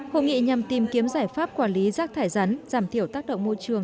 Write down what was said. hội nghị nhằm tìm kiếm giải pháp quản lý rác thải rắn giảm thiểu tác động môi trường